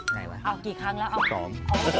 อ๋อไงวะอ๋อกี่ครั้งแล้วอ๋อสอง